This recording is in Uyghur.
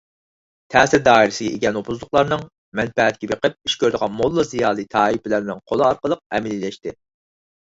تەسىر دائىرىسىگە ئىگە نوپۇزلۇقلارنىڭ، مەنپەئەتكە بېقىپ ئىش كۆرىدىغان موللا - زىيالىي تائىپىلەرنىڭ قولى ئارقىلىق ئەمەلىيلەشتى.